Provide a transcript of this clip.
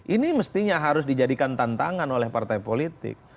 ini mestinya harus dijadikan tantangan oleh partai politik